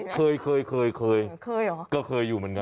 เคยเคยเคยอยู่เหมือนกัน